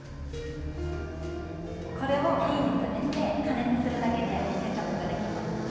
これをびんに詰めて加熱するだけでケチャップができます。